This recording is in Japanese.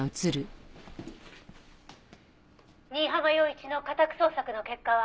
「新浜陽一の家宅捜索の結果は？」